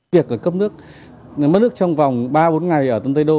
việc cấp nước mất nước trong vòng ba bốn ngày ở tâm tây đô